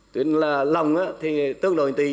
tuyển là lòng thì tương đối tỷ